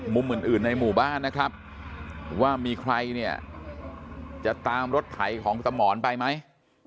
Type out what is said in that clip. มุมอื่นในหมู่บ้านนะครับว่ามีใครเนี่ยจะตามรถไถของสมรไปไหม